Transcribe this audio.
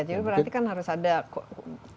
jadi berarti kan harus ada sdm itu menjadi sangat penting